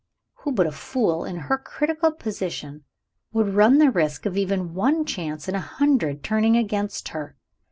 Who but a fool, in her critical position, would run the risk of even one chance in a hundred turning against her?